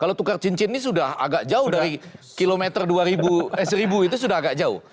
kalau tukar cincin ini sudah agak jauh dari kilometer dua ribu eh seribu itu sudah agak jauh